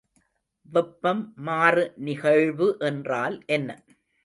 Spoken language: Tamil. வெப்பம் மாறு நிகழ்வு என்றால் என்ன?